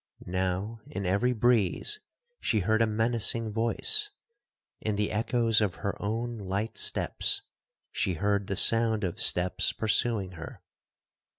Now in every breeze she heard a menacing voice,—in the echoes of her own light steps she heard the sound of steps pursuing her.